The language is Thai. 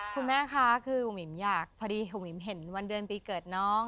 คุณแม่ค่ะคืออุ่มอิ่มอยากพอดีอุ่มอิ่มเห็นวันเดือนปีเกิดน้อง